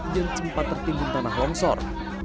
yang sempat tertimbun tanah longsor